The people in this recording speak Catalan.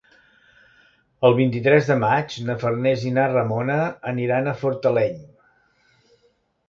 El vint-i-tres de maig na Farners i na Ramona aniran a Fortaleny.